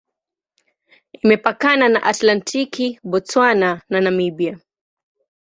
Imepakana na Atlantiki, Botswana na Namibia.